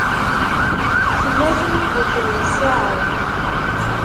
Tella tin i yukren ssaɛa-w.